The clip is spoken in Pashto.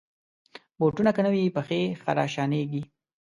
بوټونه که نه وي، پښې خراشانېږي.